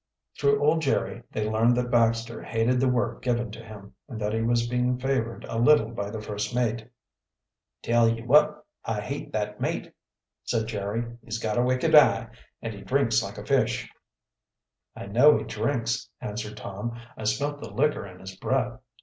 Through old Jerry they learned that Baxter hated the work given to him and that he was being favored a little by the first mate. "Tell ye what, I hate that mate," said Jerry. "He's got a wicked eye, and he drinks like a fish." "I know he drinks," answered Tom. "I smelt the liquor in his breath."